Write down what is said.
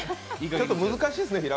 ちょっと難しいですね